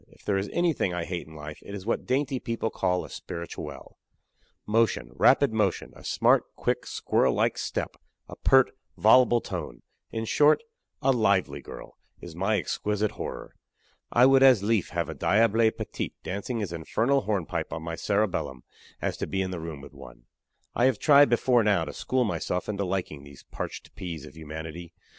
If there is anything I hate in life, it is what dainty people call a spirituelle. Motion rapid motion a smart, quick, squirrel like step, a pert, voluble tone in short, a lively girl is my exquisite horror! I would as lief have a diable petit dancing his infernal hornpipe on my cerebellum as to be in the room with one. I have tried before now to school myself into liking these parched peas of humanity.